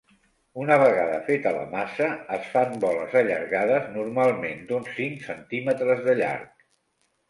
Una vegada feta la massa es fan boles allargades, normalment d'uns cinc centímetres de llarg.